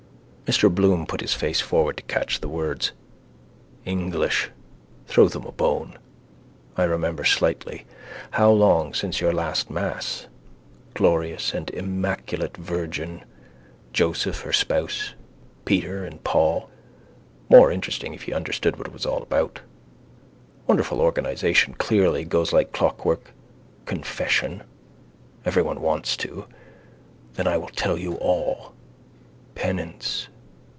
Mr Bloom put his face forward to catch the words. English. Throw them the bone. I remember slightly. How long since your last mass? Glorious and immaculate virgin. Joseph, her spouse. Peter and Paul. More interesting if you understood what it was all about. Wonderful organisation certainly, goes like clockwork. Confession. Everyone wants to. Then I will tell you all. Penance.